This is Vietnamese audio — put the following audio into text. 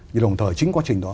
đồng thời chính quá trình đó